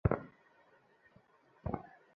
লীনা, ওটা ফেলে দাও, এক্ষুণি।